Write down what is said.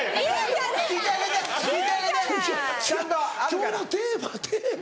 今日のテーマテーマ。